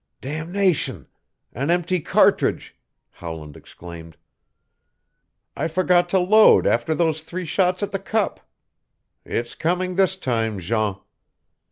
"Damnation! An empty cartridge!" Howland exclaimed. "I forgot to load after those three shots at the cup. It's coming this time, Jean!"